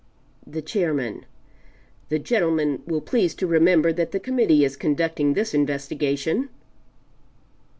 The Chairman "The gentleman will please to remember that the Committee is conducting this investigation."